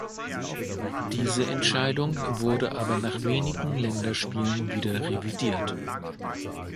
Diese Entscheidung wurde aber nach wenigen Länderspielen wieder revidiert.